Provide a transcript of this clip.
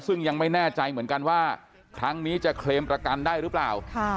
ซึ่งยังไม่แน่ใจเหมือนกันว่าครั้งนี้จะเคลมประกันได้หรือเปล่า